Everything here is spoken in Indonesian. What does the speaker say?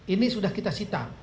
ini sudah kita cita